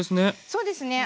そうですね。